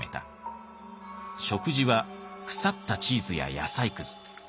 食事は腐ったチーズや野菜くず。